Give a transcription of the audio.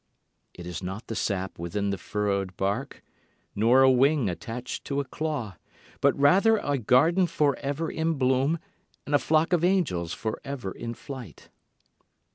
It is not the sap within the furrowed bark, nor a wing attached to a claw, But rather a garden for ever in bloom and a flock of angels for ever in flight.